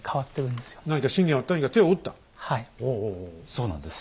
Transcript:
そうなんです。